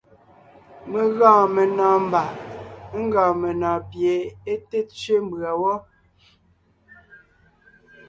Mé gɔɔn menɔ̀ɔn mbàʼ ńgɔɔn menɔ̀ɔn pie é té tsẅé mbʉ̀a wɔ́.